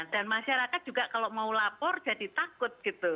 dan masyarakat juga kalau mau lapor jadi takut gitu